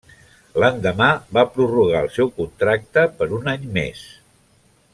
L'endemà, va prorrogar el seu contracte per un any més.